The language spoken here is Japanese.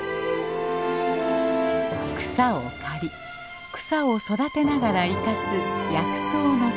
草を刈り草を育てながら生かす薬草の里。